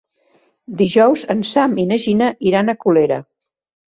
Dijous en Sam i na Gina iran a Colera.